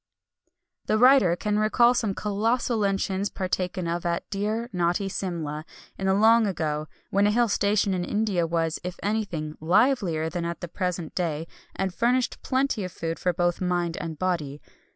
The writer can recall some colossal luncheons partaken of at dear, naughty Simla, in the long ago, when a hill station in India was, if anything, livelier than at the present day, and furnished plenty of food for both mind and body.